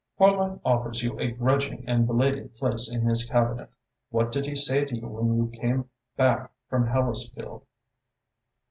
Horlock offers you a grudging and belated place in his Cabinet. What did he say to you when you came hack from Hellesfield?"